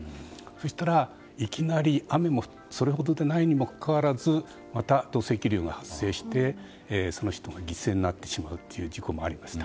そしたら、いきなり雨もそれほどにもないにもかかわらずまた土石流が発生してその人が犠牲になってしまうという事故もありました。